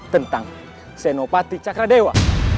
tentang senopati cakradewa